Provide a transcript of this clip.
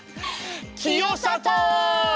清里！